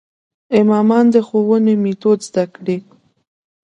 امامان د ښوونې میتود زده کړي.